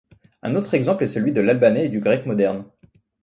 Un autre exemple est celui de l’albanais et du grec moderne.